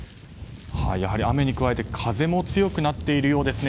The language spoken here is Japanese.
やはり雨に加えて風も強くなっているようですね。